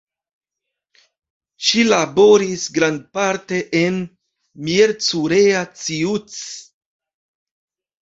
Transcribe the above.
Ŝi laboris grandparte en Miercurea Ciuc.